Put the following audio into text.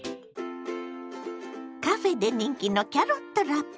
カフェで人気のキャロットラペ。